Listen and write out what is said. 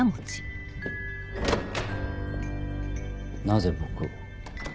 なぜ僕を？